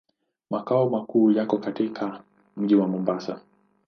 Makao makuu yako katika mji wa Mombasa.